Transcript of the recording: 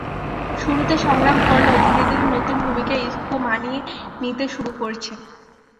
শুরুতে সংগ্রাম করলেও ধীরে ধীরে নতুন ভূমিকায় ইসকো মানিয়ে নিতে শুরু করেছেন।